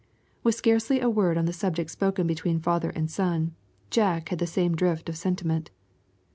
With scarcely a word on the subject spoken between father and son, Jack had the same drift of sentiment.